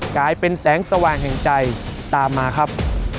กลายเป็นแสงสว่างแห่งใจตามมาครับ